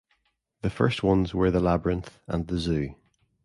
The first ones were the labyrinth and the zoo.